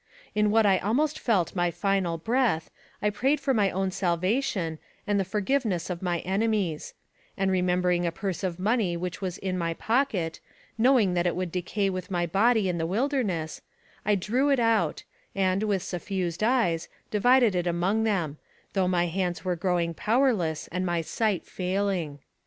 In what I almost felt my final breath, I prayed for my own salvation, and the forgiveness of my enemies; and remembering a purse of money which was in my pocket, knowing that it would decay with my body in the wilderness, I drew it out, and, with suffused eyes, divided it among them, though my hands were grow ing powerless and my sight failing.